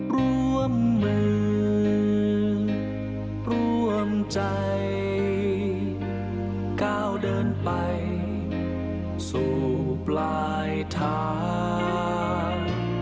ร่วมมือร่วมใจก้าวเดินไปสู่ปลายทาง